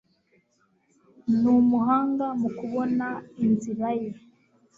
Ni umuhanga mu kubona inzira ye.